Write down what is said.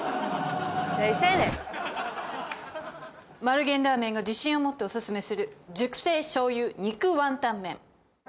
丸源ラーメンが自信を持っておすすめする熟成醤油肉ワンタン麺。